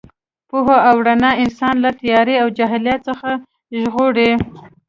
پوهه او رڼا انسان له تیارو او جهالت څخه ژغوري.